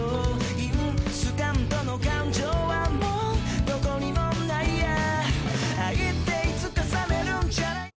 インスタントの感情はもう何処にもないや「愛っていつか冷めるんじゃない？」